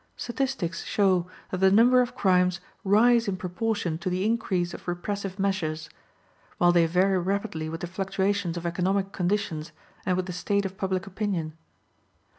Statistics show that the number of crimes rise in proportion to the increase of repressive measures; while they vary rapidly with the fluctuations of economic conditions and with the state of public opinion.